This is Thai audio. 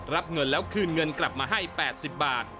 รับเงินแล้วคืนเงินกลับมาให้๘๐บาท